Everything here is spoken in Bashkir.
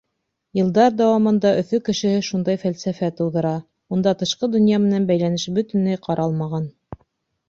Йылдар дауамында Өфө кешеһе шундай фәлсәфә тыуҙыра: унда тышҡы донъя менән бәйләнеш бөтөнләй ҡаралмаған.